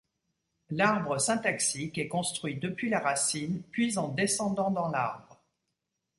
L'arbre syntaxique est construit depuis la racine puis en descendant dans l'arbre.